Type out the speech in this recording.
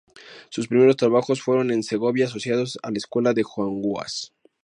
Sus primeros trabajos fueron en Segovia, asociados a la escuela de Juan Guas.